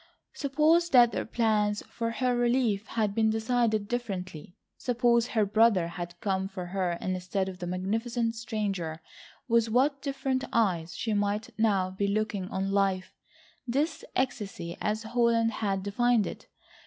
Suppose that their plans for her relief had been decided differently, suppose her brother had come for her instead of the magnificent stranger, with what different eyes she might now be looking on life—this ecstasy as Holland had defined it.